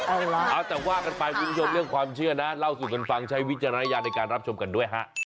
เอาล่ะเอาแต่ว่ากันไปคุณผู้ชมเรื่องความเชื่อนะเล่าสู่กันฟังใช้วิจารณญาณในการรับชมกันด้วยฮะ